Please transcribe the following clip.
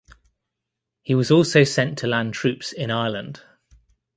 He was also sent to land troops in Ireland.